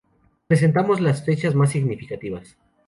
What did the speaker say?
Presentamos las fechas más significativas.